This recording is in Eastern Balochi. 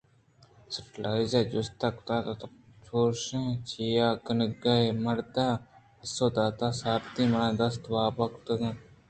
سیٹائرءَ جُست کُت تو چُش چیا کنگائے؟ مرد ءَ پسّہ دات سارتی ءَ منی دست واب کُتگ اَنت